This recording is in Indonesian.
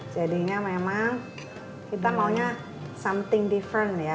jadinya memang kita maunya something different ya